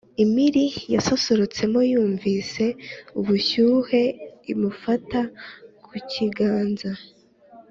impiri yasosorotsemo yumvise ubushyuhe imufata ku kiganza